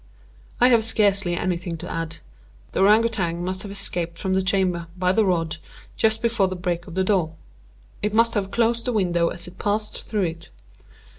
I have scarcely anything to add. The Ourang Outang must have escaped from the chamber, by the rod, just before the breaking of the door. It must have closed the window as it passed through it.